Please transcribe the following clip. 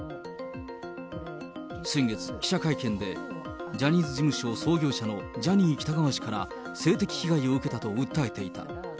先月、記者会見でジャニーズ事務所創業者のジャニー喜多川氏から性的被害を受けたと訴えていた。